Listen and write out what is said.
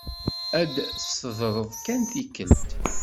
Ad teddreḍ kan tikkelt.